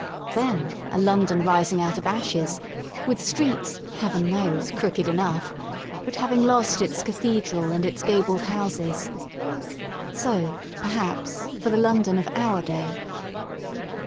Then a London rising out of ashes, with streets, heaven knows, crooked enough, but having lost its cathedral and its gabled houses. So, perhaps, for the London of our day.